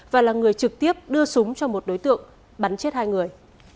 và là người trực tiếp đưa súng cho một đối tượng bắn chết hai người